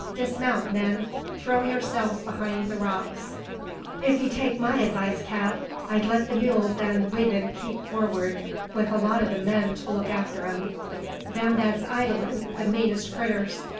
Dismount, men! Throw yourselves behind the rocks!" "If 'ee take my advice, cap, I'd let the mules and weemen keep for'ard, with a lot o' the men to look arter 'em; them that's ridin' the meanest critters.